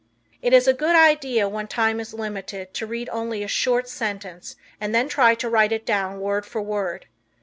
It is a good idea when time is limited to read only a short sentence and then try to write it down word for word.